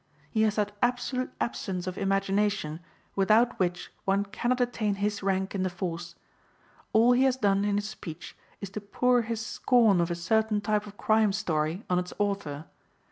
He has that absolute absence of imagination without which one cannot attain his rank in the force. All he has done in his speech is to pour his scorn of a certain type of crime story on its author.